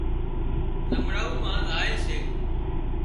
زمڙائو مان زائي سي